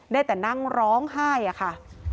ได้แต่นั่งร้องไห้อะค่ะ